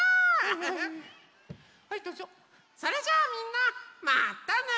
それじゃあみんなまたね！